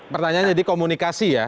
pertanyaannya jadi komunikasi ya